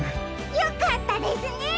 よかったですね！